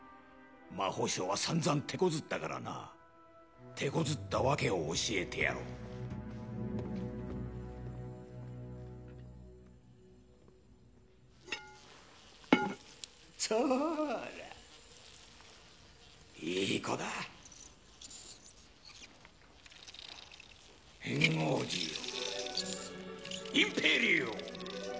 魔法省はさんざんてこずったからなてこずった訳を教えてやろうそらいい子だエンゴージオインペリオ！